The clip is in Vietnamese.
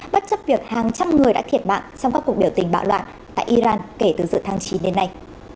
bất chấp việc hàng trăm người đã thiệt mạng trong các cuộc biểu tình bạo loạn tại iran kể từ giữa tháng chín đến nay